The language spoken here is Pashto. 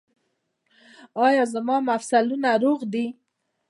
ایا زما مفصلونه روغ دي؟